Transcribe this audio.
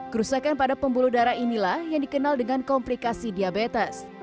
kerusakan pada pembuluh darah inilah yang dikenal dengan komplikasi diabetes